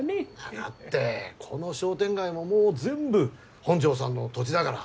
・いやだってこの商店街ももう全部本城さんの土地だから。